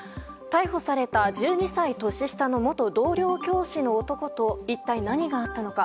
逮捕された１２歳年下の元同僚教師の男と一体何があったのか。